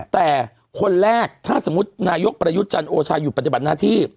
แต่คนแรกถ้าสมมุตินายกประยุทธ์จันทร์โอชาหยุดปฏิบัติหน้าที่